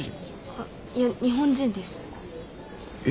あいや日本人です。え？